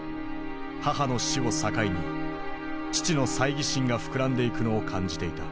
母の死を境に父の猜疑心が膨らんでいくのを感じていた。